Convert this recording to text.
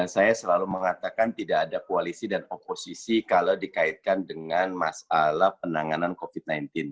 saya selalu mengatakan tidak ada koalisi dan oposisi kalau dikaitkan dengan masalah penanganan covid sembilan belas